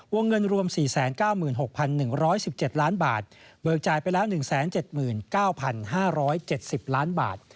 วงเงินรวม๔๙๖๑๑๗ล้านบาทเบิกจ่ายไปแล้ว๑๗๙๕๗๐ล้านบาท